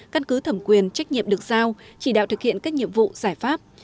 căn cứ thẩm quyền trách nhiệm được giao chỉ đạo thực hiện các nhiệm vụ giải pháp